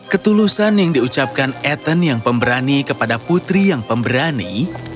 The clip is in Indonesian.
ketulusan yang diucapkan ethan yang pemberani kepada putri yang pemberani